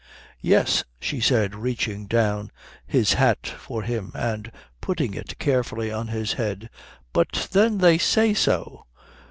"Yes," she said, reaching down his hat for him and putting it carefully on his head, "but then they say so."